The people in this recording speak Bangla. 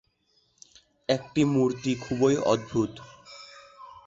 একটি মূর্তি খুবই অদ্ভুত।